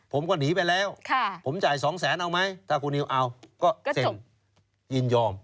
ผมก็หนีไปแล้วผมจ่ายสองแสนเอาไหมถ้าคุณนิวเอาก็เซ็นยินยอม